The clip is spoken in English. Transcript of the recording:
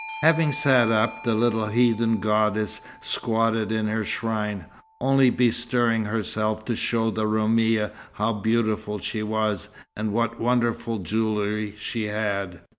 Having sat up, the little heathen goddess squatted in her shrine, only bestirring herself to show the Roumia how beautiful she was, and what wonderful jewellery she had.